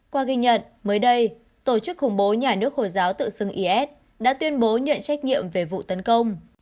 qua ghi nhận mới đây tổ chức khủng bố nhà nước hồi giáo tự xưng is đã tuyên bố nhận trách nhiệm về vụ tấn công